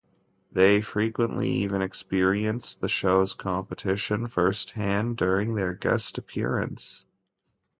They frequently even experienced the show's competition first-hand during their guest appearance.